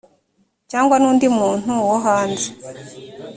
cyangwa n’undi muntu wo hanze